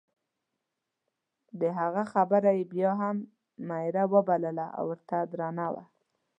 د هغه خبره یې بیا هم میره وبلله او ورته درنه وه.